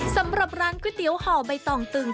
สำหรับร้านก๋วยเตี๋ยวห่อใบตองตึง